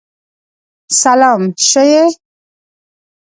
سلام شه یی!